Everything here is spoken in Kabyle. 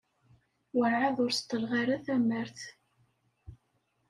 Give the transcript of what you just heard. Werɛad ur seḍḍleɣ ara tamart.